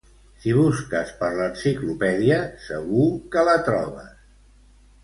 Si busques per l'enciclopèdia segur que la trobes.